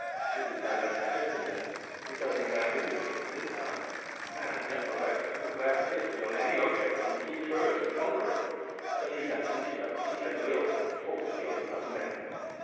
This is no man of system, then; he is only a man of instincts and insights. A man nevertheless who will glare fiercely on any object; and see through it, and conquer it: for he has intellect, he has will, force beyond other men.